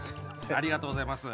ありがとうございます。